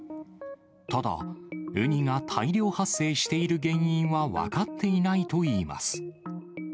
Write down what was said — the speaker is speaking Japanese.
ただ、ウニが大量発生している原因は分かっていないといいます。